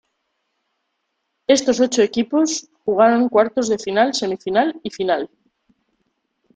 Estos ocho equipos jugaron cuartos de final, semifinal y final.